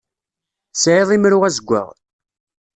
Tesεiḍ imru azeggaɣ?